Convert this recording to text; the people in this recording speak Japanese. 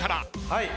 はい。